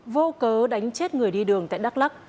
vô cớ đánh chết người đi đường tại đắk lắc